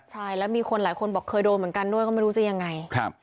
ใช่แล้วมีคนหลายคนบอกเคยโดนเหมือนกันด้วยก็ไม่รู้จะยังไงครับ